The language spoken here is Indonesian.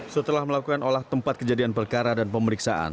setelah melakukan olah tempat kejadian perkara dan pemeriksaan